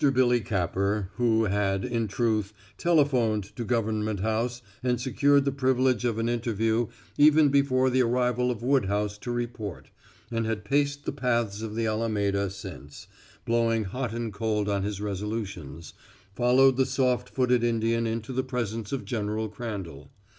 Billy Capper, who had, in truth, telephoned to Government House and secured the privilege of an interview even before the arrival of Woodhouse to report, and had paced the paths of the Alameda since, blowing hot and cold on his resolutions, followed the soft footed Indian into the presence of General Crandall.